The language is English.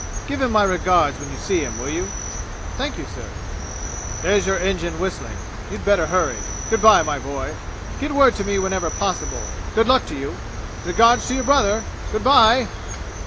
"Give him my regards when you see him, will you?" "Thank you, sir." "There's your engine whistling. You'd better hurry, Good by, my boy. Get word to me whenever possible. Good luck to you! Regards to your brother! Good by!"